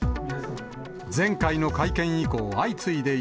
前回の会見以降、相次いでい